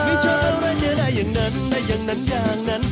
ไม่ใช่อะไรจะได้อย่างนั้นได้อย่างนั้นอย่างนั้น